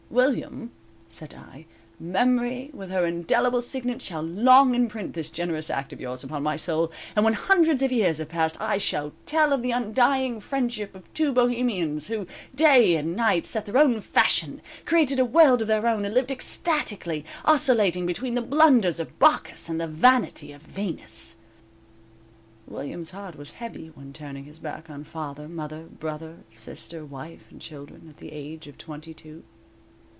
"_ "William," said I, "memory with her indelible signet shall long imprint this generous act of yours upon my soul, and when hundreds of years have passed, I shall tell of the undying friendship of two bohemians, who, day and night, set their own fashion, created a world of their own, and lived ecstatically, oscillating between the blunders of Bacchus and the vanity of Venus!" William's heart was heavy when turning his back on father, mother, brother, sister, wife and children, at the age of twenty two.